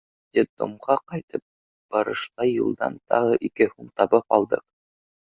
Детдомға ҡайтып барышлай юлдан тағы ике һум табып алдыҡ.